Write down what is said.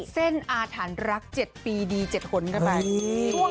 เส้นอาถรรค๗ปีดี๗คนด้วย